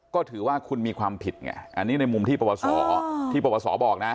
ก็ถือว่าคุณมีความผิดไงอันนี้ในมุมที่ปปศบอกนะ